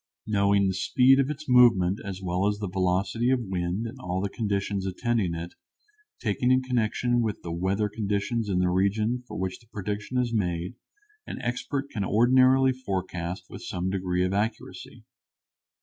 Knowing the speed of its movement as well as the velocity of wind and all the conditions attending it, taken in connection with the weather conditions in the region for which the prediction is made, an expert can ordinarily forecast with some degree of accuracy.